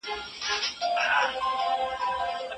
افغانستان په نړیوالو کنفرانسونو کي اغېزمن حضور نه لري.